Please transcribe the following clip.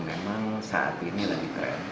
memang saat ini lebih keren